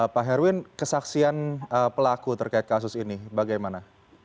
pak herwin kesaksian pelaku terkait kasus ini bagaimana